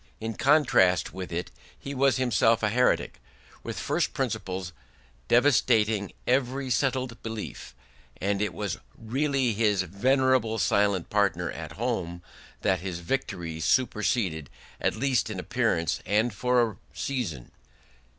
In contrast with it he was himself a heretic, with first principles devastating every settled belief: and it was really this venerable silent partner at home that his victory superseded, at least in appearance and for a season.